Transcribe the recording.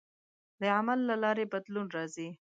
د عمل له لارې بدلون راځي.